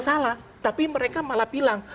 salah tapi mereka malah bilang